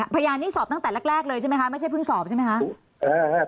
พยานนี่สอบตั้งแต่แรกไม่ใช่เพิ่งสอบใช่ไหมครับ